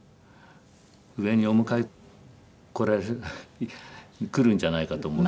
上にお迎え来られる来るんじゃないかと思って。